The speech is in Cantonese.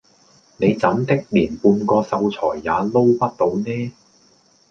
你怎的連半個秀才也撈不到呢